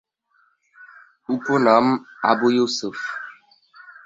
উপনাম-আবু Yusuf.